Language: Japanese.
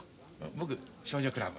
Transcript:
僕「少女クラブ」。